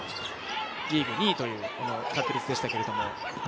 リーグ２位という確率でしたが。